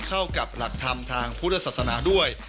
เข้ากับหลักธรรมทางพุทธศาสนาด้วย